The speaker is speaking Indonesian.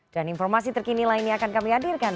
dan informasi terkini lainnya akan kami hadirkan